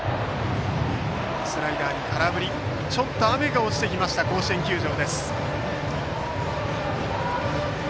ちょっと雨が落ちてきました甲子園球場。